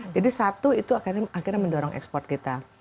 jadi satu itu akhirnya mendorong ekspor kita